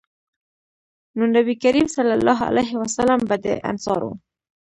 نو نبي کريم صلی الله علیه وسلّم به د انصارو